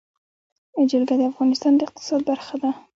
جلګه د افغانستان د اقتصاد برخه ده.